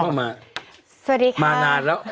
แกมานานร้อย